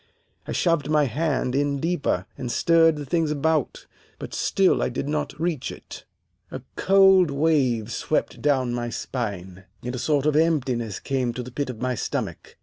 I shoved my hand in deeper, and stirred the things about, but still I did not reach it. A cold wave swept down my spine, and a sort of emptiness came to the pit of my stomach.